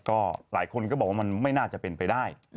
ก็หลายคนก็บอกว่ามันไม่น่าจะเป็นไปได้